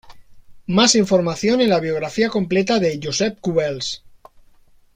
Más información en la biografía completa de Josep Cubells